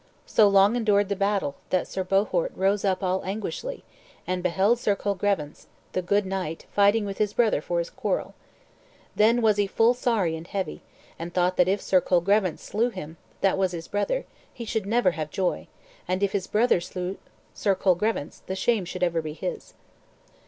So long endured the battle, that Sir Bohort rose up all anguishly, and beheld Sir Colgrevance, the good knight, fight with his brother for his quarrel. Then was he full sorry and heavy, and thought that if Sir Colgrevance slew him that was his brother he should never have joy, and if his brother slew Sir Colgrevance the shame should ever be his.